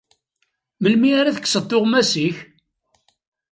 Melmi ara ad tekkseḍ tuɣmest-ik?